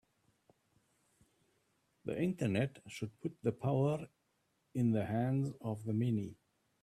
The Internet should put the power in the hands of the many